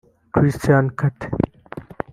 Christian Carter